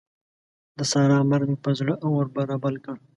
د سارا مرګ مې پر زړه اور رابل کړ.